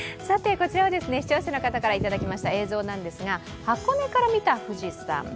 こちらは視聴者の方からいただきました映像なんですが箱根から見た富士山。